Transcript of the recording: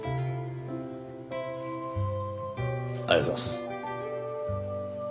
ありがとうございます。